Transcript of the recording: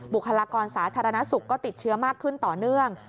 บุคลากรสาธารณสุขก็ติดเชื้อมากขึ้นต่อเนื่อง